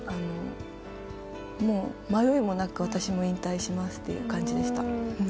もう、迷いもなく私も引退しますという感じでした。